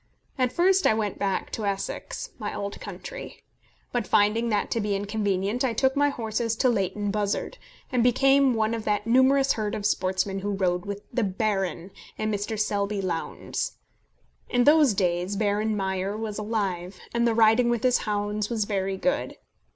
At first I went back to Essex, my old country, but finding that to be inconvenient, I took my horses to Leighton Buzzard, and became one of that numerous herd of sportsmen who rode with the "Baron" and Mr. Selby Lowndes. In those days Baron Meyer was alive, and the riding with his hounds was very good.